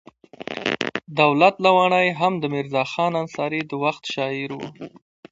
دولت لواڼی هم د میرزا خان انصاري د وخت شاعر و.